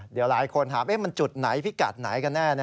เดี๋ยวหลายคนถามมันจุดไหนพิกัดไหนกันแน่